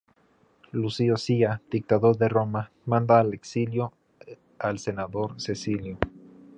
Lucio Silla, dictador de Roma, manda al exilio al senador Cecilio.